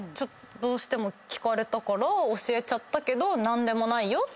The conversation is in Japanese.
どうしても聞かれたから教えちゃったけど何でもないよ。